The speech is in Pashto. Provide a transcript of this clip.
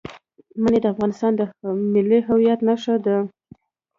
منی د افغانستان د ملي هویت نښه ده.